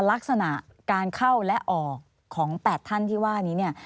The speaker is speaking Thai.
ลักษณะการเข้าและออกของ๘ท่านที่ว่านี้เนี่ย